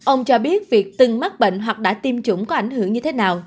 ông cho biết việc từng mắc bệnh hoặc đã tiêm chủng có ảnh hưởng như thế nào